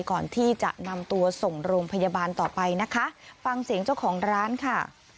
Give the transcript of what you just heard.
ก่อนที่จะนำตัวส่งโรงพยาบาลต่อไปนะคะฟังเสียงเจ้าของร้านค่ะ